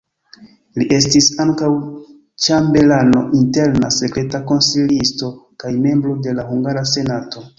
Li estis ankaŭ ĉambelano, interna sekreta konsilisto kaj membro de la hungara senato.